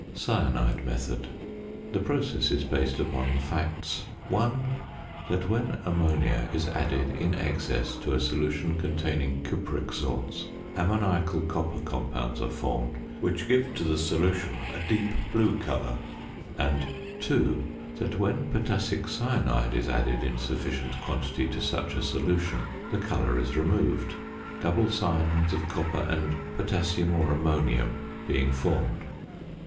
CYANIDE METHOD. The process is based upon the facts (1) that when ammonia is added in excess to a solution containing cupric salts, ammoniacal copper compounds are formed which give to the solution a deep blue colour; and (2) that when potassic cyanide is added in sufficient quantity to such a solution the colour is removed, double cyanides of copper and potassium or ammonium being formed.